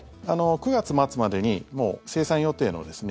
９月末までにもう生産予定のですね